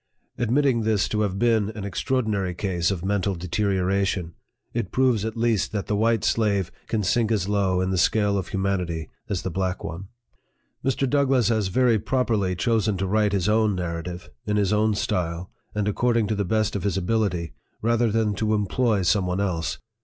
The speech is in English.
Vlii PREFACE, Admitting this to have been an extraordinary case of mental deterioration, it proves at least that the white slave can sink as low in the scale of humanity as the black one. Mr. DOUGLASS has very properly chosen to write his own Narrative, in his own style, and according to the best of his ability, rather than to employ some one else.